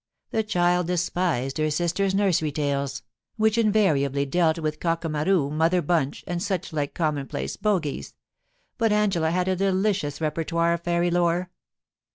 The child despised her sister's nursery tales, which invariably dealt with Cockamaroo, Mother Bunch, and such like com monplace bogies ; but Angela had a delicious repertoire of fairy lore.